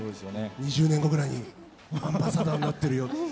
２０年後ぐらいにアンバサダーになってるよって。